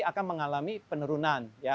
akan mengalami penurunan ya